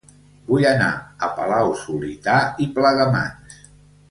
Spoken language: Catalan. Vull anar a Palau-solità i Plegamans